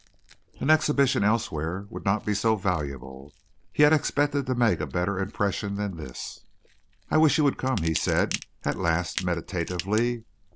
An exhibition elsewhere would not be so valuable. He had expected to make a better impression than this. "I wish you would come," he said at last meditatively.